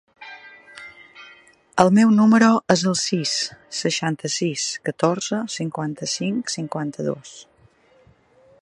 El meu número es el sis, seixanta-sis, catorze, cinquanta-cinc, cinquanta-dos.